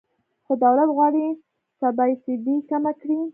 خو دولت غواړي سبسایډي کمه کړي.